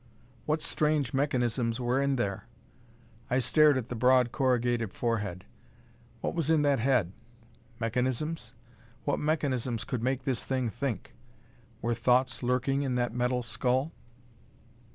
What strange mechanisms were in there? I stared at the broad, corrugated forehead. What was in that head? Mechanisms? What mechanisms could make this thing think? Were thoughts lurking in that metal skull?